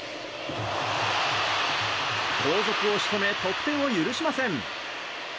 後続を仕留め得点を許しません。